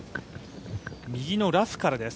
右のラフからです。